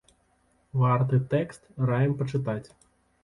Варты тэкст, раім пачытаць.